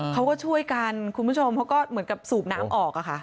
เขาก็ช่วยกันคุณผู้ชมเขาก็เหมือนกับสูบน้ำออกอะค่ะ